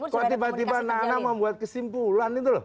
kok tiba tiba nana membuat kesimpulan itu loh